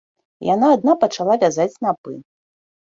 Яна адна пачала вязаць снапы.